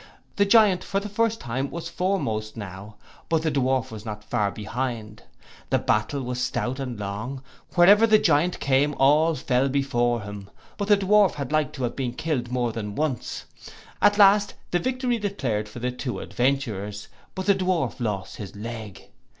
The Giant, for the first time, was foremost now; but the Dwarf was not far behind. The battle was stout and long. Wherever the Giant came all fell before him; but the Dwarf had like to have been killed more than once. At last the victory declared for the two adventurers; but the Dwarf lost his leg.